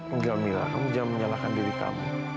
unggal mila kamu jangan menyalahkan diri kamu